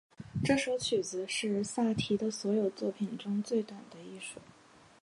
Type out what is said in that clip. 这首曲子是萨提的所有作品中最短的一首。